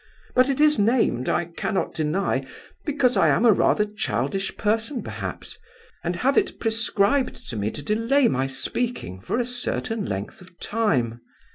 But it is named, I cannot deny, because I am a rather childish person perhaps, and have it prescribed to me to delay my speaking for a certain length of time.